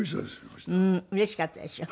うれしかったでしょ？